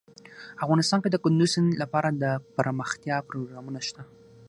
افغانستان کې د کندز سیند لپاره دپرمختیا پروګرامونه شته.